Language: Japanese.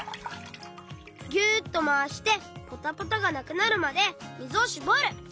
ぎゅっとまわしてポタポタがなくなるまでみずをしぼる！